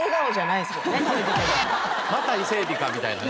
また伊勢エビかみたいなね。